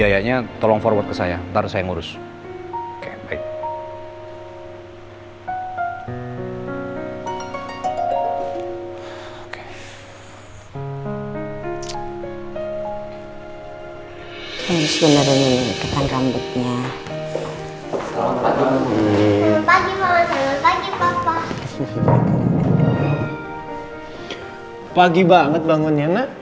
apa yang aku lakuin